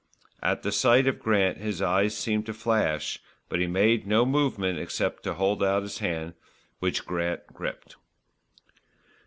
At the sight of Grant his eyes seemed to flash; but he made no movement except to hold out his hand, which Grant gripped.